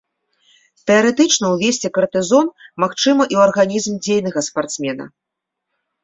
Тэарэтычна увесці картызон магчыма і ў арганізм дзейнага спартсмена.